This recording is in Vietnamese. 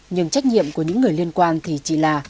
nhưng trách nhiệm của những người liên quan thì chỉ là